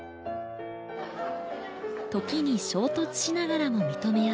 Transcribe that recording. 時に衝突しながらも認め合う。